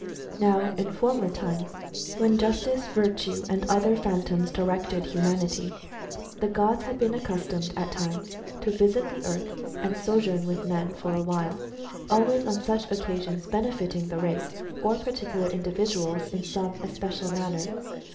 Now in former times, when Justice, Virtue, and the other Phan toms directed humanity, the gods had been accustomed at times to visit the earth, and sojourn with men for awhile, always on such occasions benefiting the race, or particular individuals, in some especial manner.